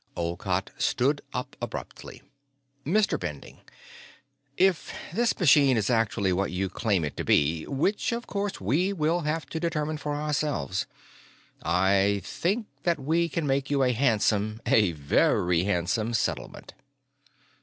Olcott stood up abruptly. "Mr. Bending, if this machine is actually what you claim it to be which, of course, we will have to determine for ourselves I think that we can make you a handsome a very handsome settlement."